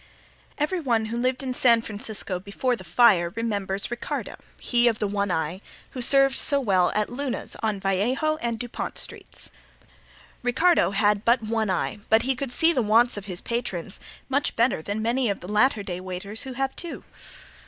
Everyone who lived in San Francisco before the fire remembers Ricardo, he of the one eye, who served so well at Luna's, on Vallejo and Dupont streets. Ricardo had but one eye but he could see the wants of his patrons much better than many of the later day waiters who have two.